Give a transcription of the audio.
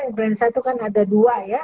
influenza itu kan ada dua ya